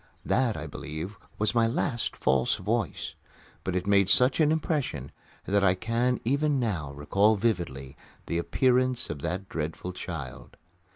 That, I believe, was my last "false voice," but it made such an impression that I can even now recall vividly the appearance of that dreadful child.